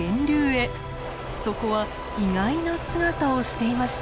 そこは意外な姿をしていました。